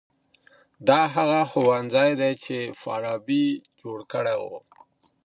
دا هغه ښوونځی دی چي فارابي جوړ کړی و.